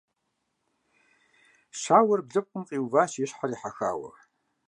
Щауэр блыпкъым къиуващ и щхьэр ехьэхауэ.